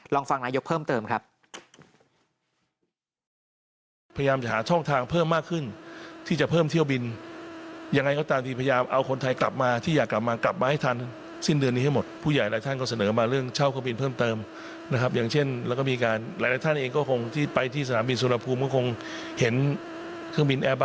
ลองฟังนายกเพิ่มเติมครับ